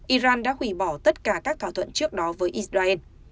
iran đã hủy bỏ tất cả các thỏa thuận trước đó với israel